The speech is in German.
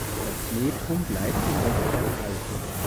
Das Metrum bleibt indes erhalten.